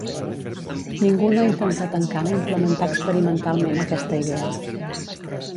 Ningú no ha intentat encara implementar experimentalment aquesta idea.